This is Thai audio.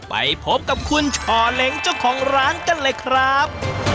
ไปพบกับคุณช่อเล้งเจ้าของร้านกันเลยครับ